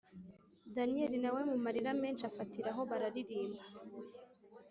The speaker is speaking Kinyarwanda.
daniel nawe mumarira menshi afatiraho bararirimba,